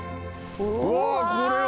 うわこれは。